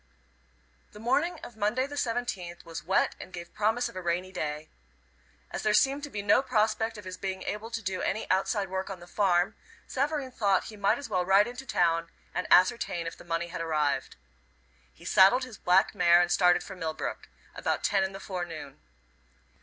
The morning of Monday, the 17th, was wet and gave promise of a rainy day. As there seemed to be no prospect of his being able to do any outside work on the farm, Savareen thought he might as well ride into town and ascertain if the money had arrived. He saddled his black mare, and started for Millbrook about ten in the forenoon.